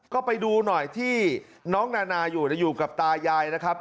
ก็ไปดูหน่อยที่น้องนานาอยู่อยู่กับตายายนะครับ